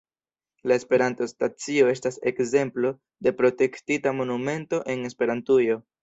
La Esperanto-Stacio estas ekzemplo de protektita monumento en Esperantujo.